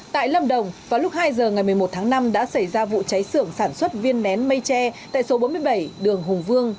tại lâm đồng vào lúc hai giờ ngày một mươi một tháng năm đã xảy ra vụ cháy sưởng sản xuất viên nén mây tre tại số bốn mươi bảy đường hùng vương